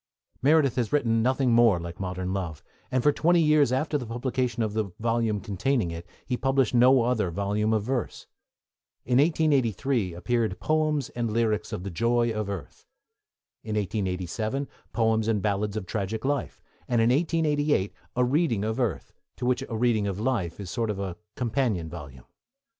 Meredith has written nothing more like Modern Love, and for twenty years after the publication of the volume containing it he published no other volume of verse. In 1883 appeared Poems and Lyrics of the Joy of Earth; in 1887 Poems and Ballads of Tragic Life; and, in 1888, A Reading of Earth, to which A Reading of Life is a sort of companion volume.